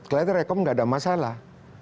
kelihatan rekom tidak ada masalah